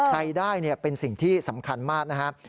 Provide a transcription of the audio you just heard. รายได้เป็นสิ่งที่สำคัญมากนะครับ